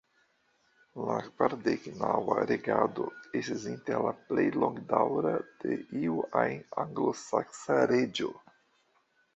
Lia kvardek-naŭa regado estis inter la plej longdaŭra de iu ajn anglosaksa reĝo.